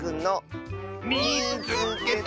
「みいつけた！」。